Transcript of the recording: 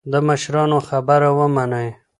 د مشرانو خبره ومنئ.